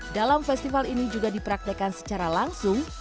dalam festival ini juga dipraktekan secara langsung